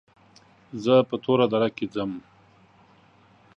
زه په توره دره کې ځم.